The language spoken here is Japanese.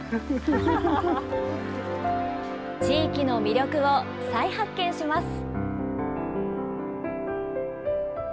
地域の魅力を再発見します。